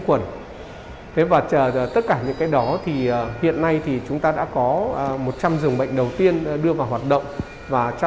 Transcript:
quẩn tất cả những cái đó thì hiện nay thì chúng ta đã có một trăm linh giường bệnh đầu tiên đưa vào hoạt động và